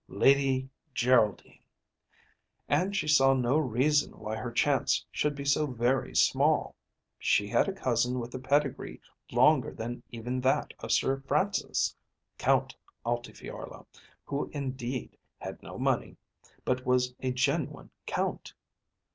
Lady Geraldine! And she saw no reason why her chance should be so very small. She had a cousin with a pedigree longer than even that of Sir Francis, Count Altifiorla, who, indeed, had no money, but was a genuine Count.